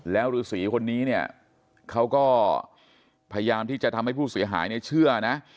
แล้วฤษีคนนี้เนี่ยเขาก็พยายามที่จะทำให้ผู้เสียหายเนี่ยเชื่อนะ